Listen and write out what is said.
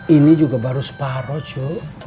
ini juga baru separuh cu